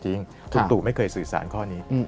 ลุงตู่ไม่เคยสื่อสารข้อนี้